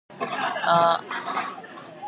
He was influenced by lectures of Carl Shipp Marvel.